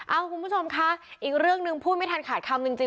คุณผู้ชมคะอีกเรื่องหนึ่งพูดไม่ทันขาดคำจริง